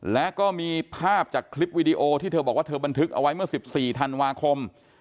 และก็มีภาพจากคลิปวิดีโอที่เธอบอกว่าเธอบันทึกเอาไว้เมื่อ๑๔ธันวาคม